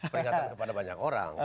peringatan kepada banyak orang